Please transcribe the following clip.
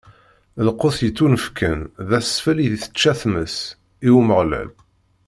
D lqut yettunefken d asfel i tečča tmes, i Umeɣlal.